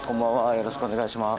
よろしくお願いします。